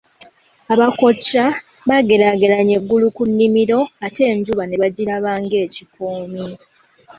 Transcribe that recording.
Abakoca, baageraageranya eggulu ku nnimiro ate enjuba ne bagiraba ng'ekikoomi.